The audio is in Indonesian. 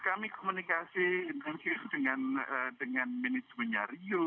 kami komunikasi dengan dengan dengan ministrinya rio